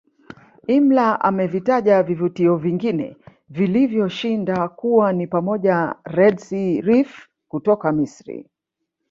Imler amevitaja vivutio vingine vilivyo shinda kuwa ni pamoja Red sea reef kutoka Misri